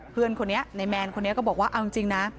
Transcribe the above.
เพื่อนคนนี้ในแมนคนนี้ก็บอกว่าเอาจริงนะ